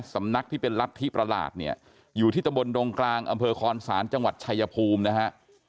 สำนักที่เป็นรัฐธิประหลาดเนี่ยอยู่ที่ตะบนดงกลางอำเภอคอนศาลจังหวัดชายภูมินะฮะ